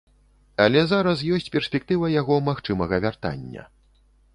Але зараз ёсць перспектыва яго магчымага вяртання.